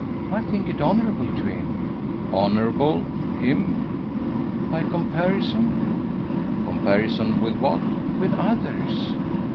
.." "I think it honourable to him." "Honourable! 'hem!" "By comparison." "Comparison with what?" "With others."